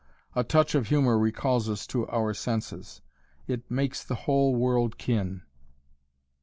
A touch of humor recalls us to our senses. It "makes the whole world kin."